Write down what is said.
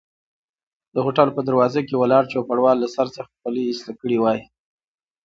د هوټل په دروازه کې ولاړ چوپړوال له سر څخه خولۍ ایسته کړي وای.